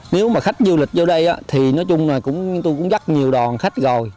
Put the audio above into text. nếu mà khách du lịch vô đây thì nói chung là tôi cũng dắt nhiều đòn khách rồi